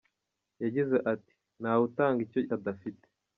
Yagize ati “Nta wutanga icyo adafite.